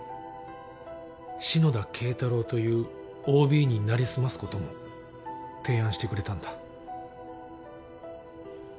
篠田敬太郎というＯＢに成り済ますことも提案してくれたんだ。